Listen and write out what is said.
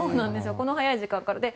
この早い時間から。